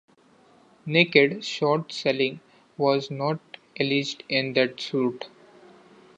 Naked short-selling was not alleged in that suit.